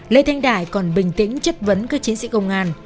lê thanh đại còn bình tĩnh chất vấn các chiến sĩ công an